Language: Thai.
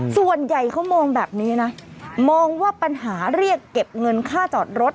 ส่วนใหญ่เขามองแบบนี้นะมองว่าปัญหาเรียกเก็บเงินค่าจอดรถ